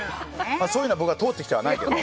そういうのは僕は通ってきてないけど。